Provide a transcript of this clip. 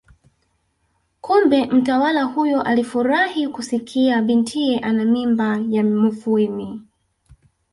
Kumbe mtawala huyo alifurahi kusikia bintiye ana mimba ya Mufwimi